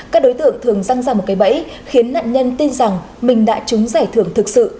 các đối tượng thường răng ra một cái bẫy khiến nạn nhân tin rằng mình đã trúng giải thưởng thực sự